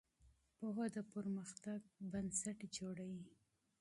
پوهه د پرمختګ بنسټ جوړوي.